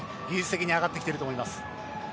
技術的に上がってきていると思います。